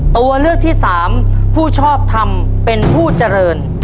ตัวเลือกที่สามผู้ชอบทำเป็นผู้เจริญ